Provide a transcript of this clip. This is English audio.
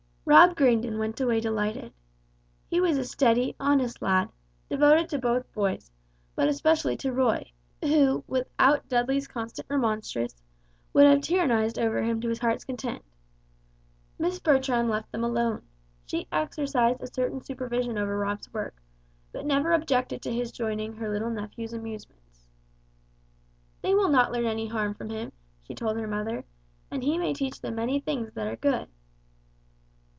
Rob grinned and went away delighted. He was a steady, honest lad, devoted to both boys; but especially to Roy, who, without Dudley's constant remonstrance, would have tyrannized over him to his heart's content. Miss Bertram left them alone; she exercised a certain supervision over Rob's work, but never objected to his joining her little nephews' amusements. "They will not learn any harm from him," she told her mother; "and he may teach them many things that are good."